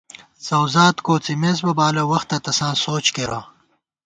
زؤوزات کوڅِمېس بہ بالہ، وختہ تساں سوچ کېرہ